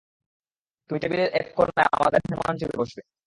তুমি টেবিলের এক কোণায় আমাদের মেহমান হিসেবে বসবে!